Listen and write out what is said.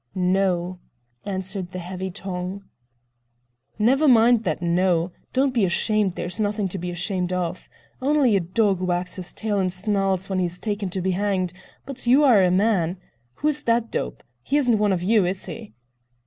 "No," answered the heavy tongue. "Never mind that 'No.' Don't be ashamed; there's nothing to be ashamed of. Only a dog wags his tail and snarls when he is taken to be hanged, but you are a man. Who is that dope? He isn't one of you, is he?"